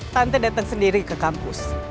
tante datang sendiri ke kampus